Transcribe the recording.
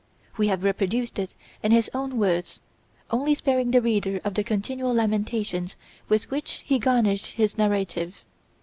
We have reproduced it in his own words, only sparing the reader the continual lamentations with which he garnished his narrative.